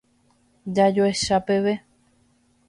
Jajoecha peve.